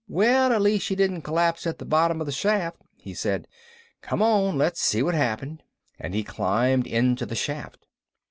"Well, at least she didn't collapse at the bottom of the shaft," he said. "Come on, let's see what happened." And he climbed into the shaft.